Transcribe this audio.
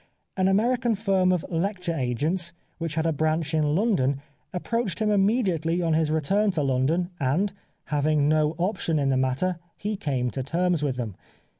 An American firm of lecture agents which had a branch in London approached him immediately on his return to London and, having no option in the matter, he came to terms with them.